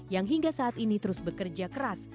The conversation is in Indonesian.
yang hingga saat ini terus bekerja keras